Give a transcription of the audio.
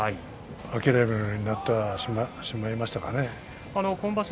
諦めるようになってしまいましたかね。